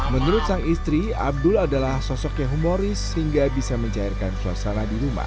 menurut sang istri abdul adalah sosok yang humoris sehingga bisa mencairkan suasana di rumah